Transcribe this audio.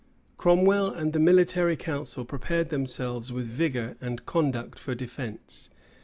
Cromwell and the military council prepared themselves with vigor and conduct for defence.